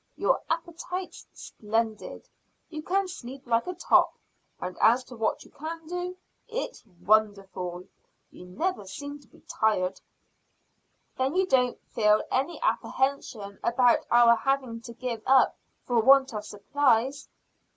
Your appetite's splendid; you can sleep like a top; and as to what you can do, it's wonderful. You never seem to be tired." "Then you don't feel any apprehension about our having to give up for want of supplies?"